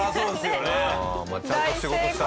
ちゃんと仕事した。